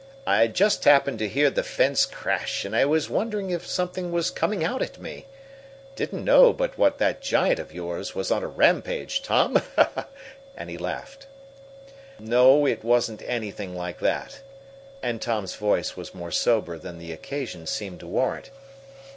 "I just happened to hear the fence crash, and I was wondering if something was coming out at me. Didn't know but what that giant of yours was on a rampage, Tom," and he laughed. "No, it wasn't anything like that," and Tom's voice was more sober than the occasion seemed to warrant.